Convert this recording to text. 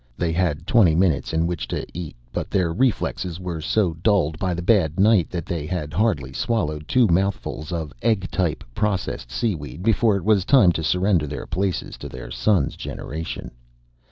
They had twenty minutes in which to eat, but their reflexes were so dulled by the bad night that they had hardly swallowed two mouthfuls of egg type processed seaweed before it was time to surrender their places to their son's generation.